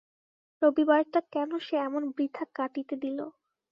রবিবারটা কেন সে এমন বৃথা কাটিতে দিল।